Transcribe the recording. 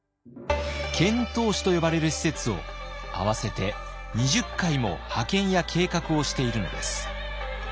遣唐使と呼ばれる使節を合わせて２０回も派遣や計画をしているのです。